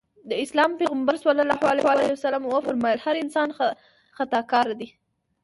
د اسلام پيغمبر ص وفرمایل هر انسان خطاکار دی.